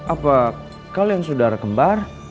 apa kalian saudara kembar